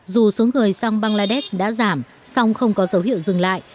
dù số người sang bangladesh đã giảm song không có dấu hiệu dừng lại